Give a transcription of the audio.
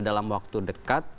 dalam waktu dekat